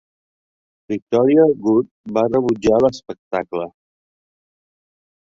Victoria Wood va rebutjar l'espectacle.